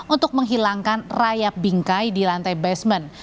untuk menghilangkan rayap bingkai di lantai basement